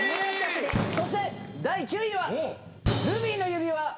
そして第９位は。